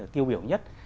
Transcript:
tiêu biểu nhất